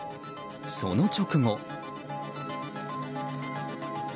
その直後。